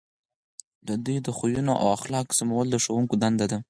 د دوی د خویونو او اخلاقو سمول د ښوونکو دنده ده.